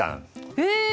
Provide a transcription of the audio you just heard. へえ！